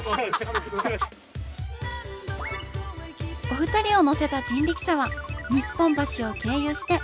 お二人を乗せた人力車は日本橋を経由して